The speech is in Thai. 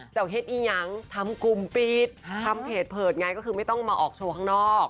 เฮ็ดอียังทำกลุ่มปิดทำเพจเผดไงก็คือไม่ต้องมาออกโชว์ข้างนอก